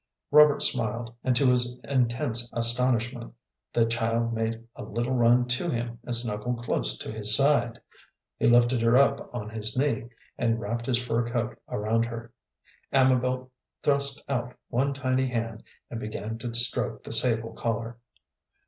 Robert smiled, and to his intense astonishment the child made a little run to him and snuggled close to his side. He lifted her up on his knee, and wrapped his fur coat around her. Amabel thrust out one tiny hand and began to stroke the sable collar.